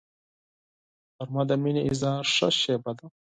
غرمه د مینې د اظهار ښه شیبه ده